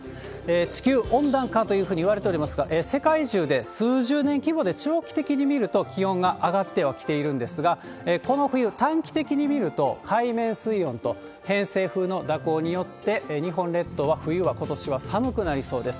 地球温暖化というふうにいわれておりますが、世界中で数十年規模で長期的に見ると気温が上がってはきているんですが、この冬、短期的に見ると、海面水温と偏西風の蛇行によって、日本列島は、冬はことしは寒くなりそうです。